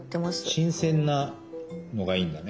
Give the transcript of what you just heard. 新鮮なのがいいんだね。